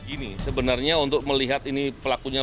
gini sebenarnya untuk melihat ini pelakunya